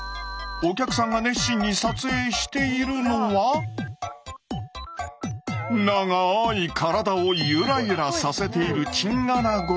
お客さんが熱心に撮影しているのは長い体をゆらゆらさせているチンアナゴ。